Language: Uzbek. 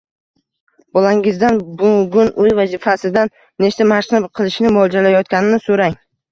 Bolangizdan bugun uy vazifasidan nechta mashqni qilishni mo‘ljallayotganini so‘rang.